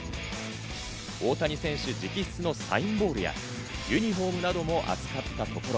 大谷選手直筆のサインボールや、ユニホームなども扱ったところ、